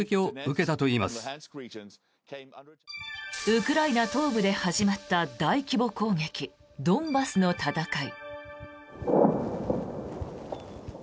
ウクライナ東部で始まった大規模攻撃、ドンバスの戦い。